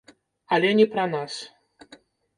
Але не пра нас.